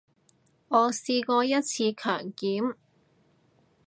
我試過一次強檢